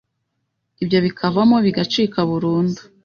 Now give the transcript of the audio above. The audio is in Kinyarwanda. ibyo bikavamwo bigacika burundu